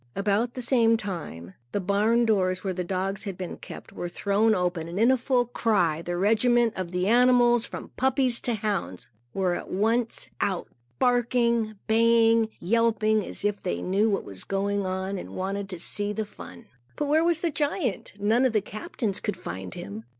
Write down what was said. About the same time, the barn doors where the dogs had been kept, were thrown open. In full cry, a regiment of the animals, from puppies to hounds, were at once out, barking, baying, and yelping, as if they knew what was going on and wanted to see the fun. But where was the giant? None of the captains could find him.